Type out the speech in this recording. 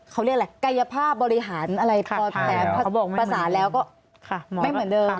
เขาเรียกอะไรกายภาพบริหารอะไรพอประสานแล้วก็ไม่เหมือนเดิม